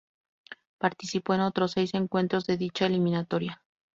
Participó en otros seis encuentros de dicha eliminatoria.